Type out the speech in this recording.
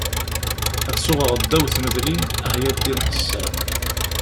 Ad suɣeɣ ddaw tmedlin, ah ya ddin qessam!